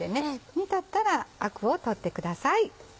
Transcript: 煮立ったらアクを取ってください。